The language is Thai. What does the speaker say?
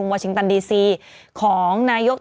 มีสารตั้งต้นเนี่ยคือยาเคเนี่ยใช่ไหมคะ